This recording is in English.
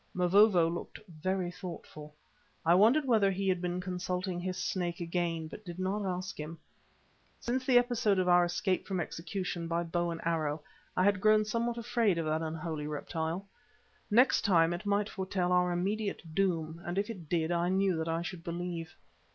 Mavovo looked very thoughtful. I wondered whether he had been consulting his Snake again, but did not ask him. Since the episode of our escape from execution by bow and arrow I had grown somewhat afraid of that unholy reptile. Next time it might foretell our immediate doom, and if it did I knew that I should believe.